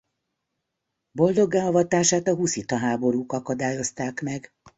Boldoggá avatását a huszita háborúk akadályozták meg.